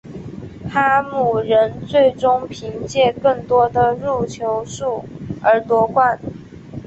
哈姆人最终凭借更多的入球数而夺冠。